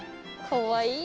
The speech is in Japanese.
かわいい。